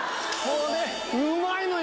うまいのよ